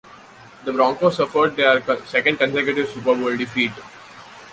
The Broncos suffered their second consecutive Super Bowl defeat.